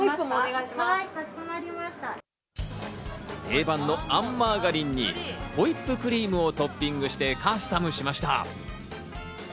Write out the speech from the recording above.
定番のあんマーガリンにホイップクリームをトッピングしてカスタムしました。